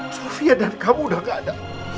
sofia dan kamu udah gak ada